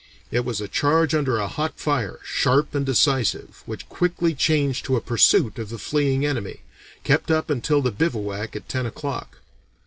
It was a charge under a hot fire, sharp and decisive, which quickly changed to a pursuit of the fleeing enemy, kept up until the bivouack at ten o'clock.